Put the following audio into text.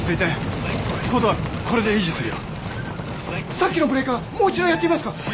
さっきのブレーカーもう一度やってみますか？